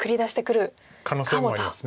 可能性もあります。